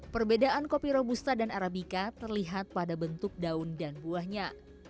perbedaan kopi robusta dan arabica terlihat pada bentuk daun dan buahnya